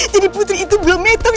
jadi putri itu belum matang